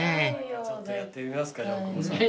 ちょっとやってみますか大久保さん。